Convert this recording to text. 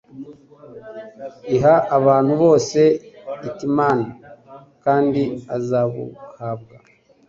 iha abantu bose itimana, kandi azabuhabwa."